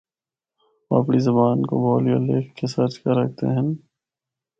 او اپنڑی زبان کو بول یا لکھ کے سرچ کر ہکدے ہن۔